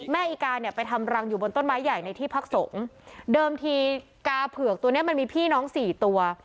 อีกาเนี่ยไปทำรังอยู่บนต้นไม้ใหญ่ในที่พักสงฆ์เดิมทีกาเผือกตัวเนี้ยมันมีพี่น้องสี่ตัว